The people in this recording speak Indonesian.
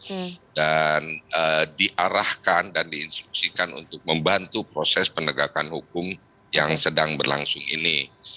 termasuk di dirjen dirjen yang terkait dan diarahkan dan diinstruksikan untuk membantu proses penegakan hukum yang sedang berlangsung ini